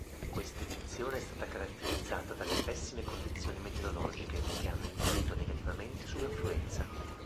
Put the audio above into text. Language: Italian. Questa edizione è stata caratterizzata dalle pessime condizioni meteorologiche, che hanno influito negativamente sull'affluenza.